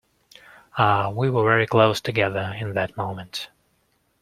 Ah, we were very close together in that moment.